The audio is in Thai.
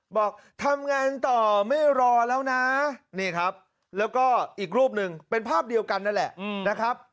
บอกทำงานต่อไม่รอแล้วนะแล้วก็อีกรูปหนึ่งเป็นภาพเดียวกัน